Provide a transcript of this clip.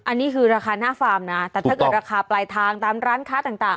อันนี้คือราคาหน้าฟาร์มนะแต่ถ้าเกิดราคาปลายทางตามร้านค้าต่าง